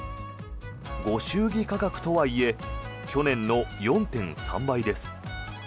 ご祝儀価格とはいえ去年の４．３倍です。